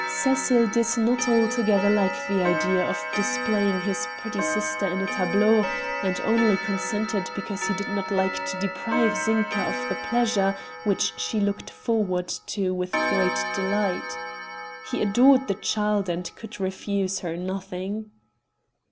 Cecil did not altogether like the idea of displaying his pretty sister in a tableau and only consented because he did not like to deprive Zinka of the pleasure which she looked forward to with great delight. He adored the child and could refuse her nothing.